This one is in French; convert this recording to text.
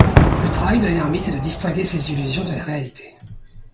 Le travail de l’ermite est de distinguer ces illusions de la réalité.